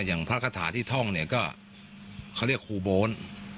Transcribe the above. อย่างพระคาถาที่ท่องเนี่ยก็เขาเรียกครูโบน